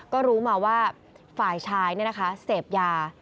ก็รู้มาว่าฝ่ายชายเสพยา